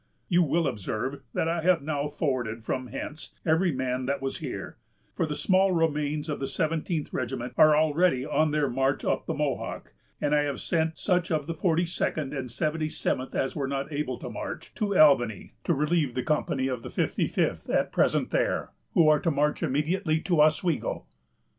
You will observe that I have now forwarded from hence every man that was here; for the small remains of the 17th regiment are already on their march up the Mohawk, and I have sent such of the 42d and 77th as were not able to march, to Albany, to relieve the company of the 55th at present there, who are to march immediately to Oswego."